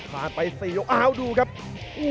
ผ่านไป๔วินาทีครับโอ้วดูแล้วครับ